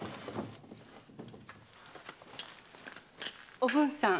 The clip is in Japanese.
・おぶんさん